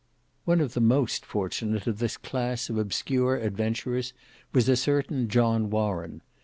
One of the most fortunate of this class of obscure adventurers was a certain John Warren.